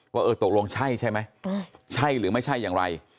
เออตกลงใช่ใช่ไหมใช่หรือไม่ใช่อย่างไร